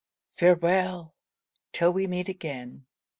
Farewel! till we meet again.